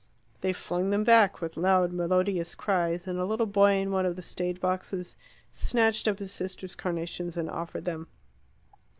They flung them back, with loud melodious cries, and a little boy in one of the stageboxes snatched up his sister's carnations and offered them.